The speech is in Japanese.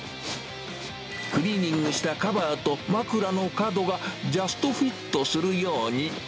クリーニングしたカバーと、枕の角がジャストフィットするように。